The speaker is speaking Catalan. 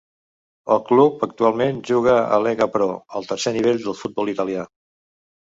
El club actualment juga a Lega Pro, el tercer nivell del futbol italià.